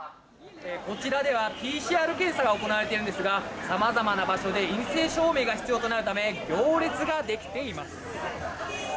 こちらではＰＣＲ検査が行われているんですがさまざまな場所で陰性証明が必要となるため行列ができています。